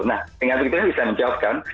nah dengan begitu saya bisa menjawabkan